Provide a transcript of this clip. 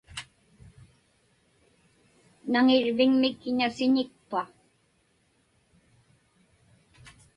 Naŋirviŋmi kiña siñikpa?